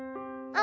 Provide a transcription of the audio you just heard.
「あ！」